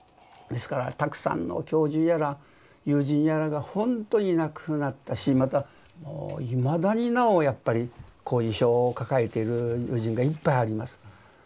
ですからたくさんの教授やら友人やらがほんとに亡くなったしまたいまだになおやっぱり後遺症を抱えてる友人がいっぱいあります。